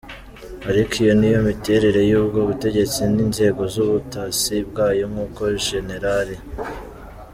Ariko iyo niyo miterere y’ubwo butegetsi n’inzego z’ubutasi bwayo nkuko Jenerali.